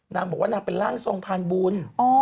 นางบอกว่านางเป็นล่างทรงพรรณบูรณ์